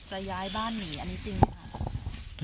จะย้ายบ้านหนีอันนี้จริงไหมคะ